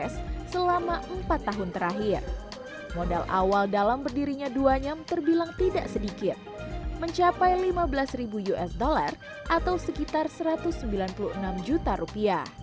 selama empat tahun terakhir modal awal dalam berdirinya duanyam terbilang tidak sedikit mencapai lima belas usd atau sekitar rp satu ratus sembilan puluh enam